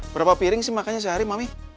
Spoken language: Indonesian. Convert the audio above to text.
berapa piring sih makannya sehari mami